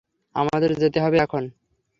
আমাদের যেতে হবে এখন।